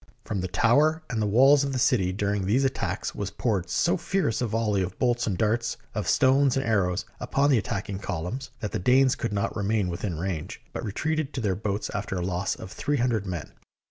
From the tower and the THE BOOK OF FAMOUS SIEGES walls of the city during these attacks was poured so fierce a volley of bolts and darts, of stones and arrows, upon the attacking columns, that the Danes could not remain within range, but retreated to their boats after a loss of three hundred men.